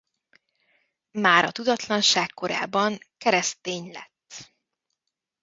Már a tudatlanság korában keresztény lett.